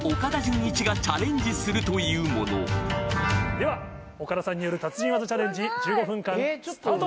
では岡田さんによる達人技チャレンジ１５分間スタート！